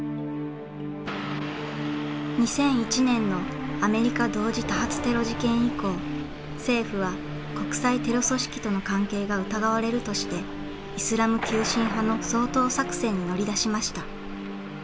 ２００１年のアメリカ同時多発テロ事件以降政府は国際テロ組織との関係が疑われるとしてイスラム急進派の掃討作戦に乗り出しました。